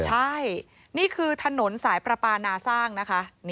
ใช่นี่คือถนนสายประปานาสร้างนะคะ